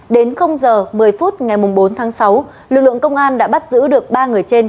đến giờ một mươi phút ngày bốn tháng sáu lực lượng công an đã bắt giữ được ba người trên